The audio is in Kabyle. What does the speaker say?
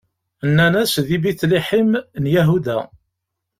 Nnan-as: Di Bit-Liḥim n Yahuda.